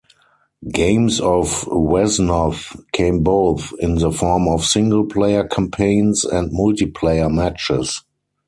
Games of "Wesnoth" come both in the form of single-player campaigns and multiplayer matches.